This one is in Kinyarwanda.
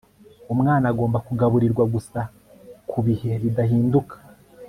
Umwana agomba kugaburirwa gusa ku bihe bidahinduka